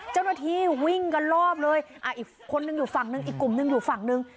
เจ้าหน้าที่วิ่งกันรอบเลยอีกคนนึงอยู่ฝั่งหนึ่งอีกกลุ่มหนึ่งอยู่ฝั่งหนึ่ง